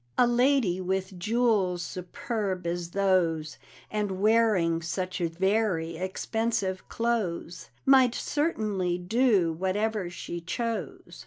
A lady with jewels superb as those, And wearing such very expensive clothes, Might certainly do whatever she chose!